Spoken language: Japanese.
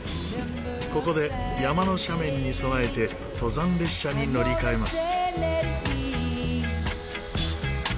ここで山の斜面に備えて登山列車に乗り換えます。